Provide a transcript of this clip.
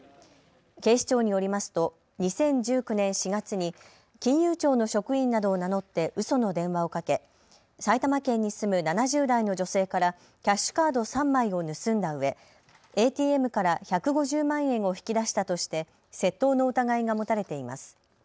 警視庁によりますと２０１９年４月に金融庁の職員などを名乗ってうその電話をかけ、埼玉県に住む７０代の女性からキャッシュカード３枚を盗んだうえＡＴＭから１５０万円を引き出したとして窃盗の疑いが持たれています。